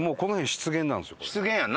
湿原やんな。